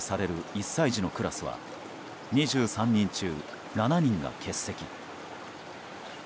１歳児のクラスは２３人中、７人が欠席。